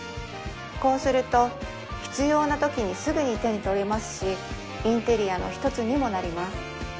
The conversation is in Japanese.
こうすると必要なときにすぐに手に取れますしインテリアの一つにもなります